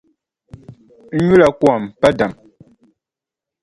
N yula kom pa dam.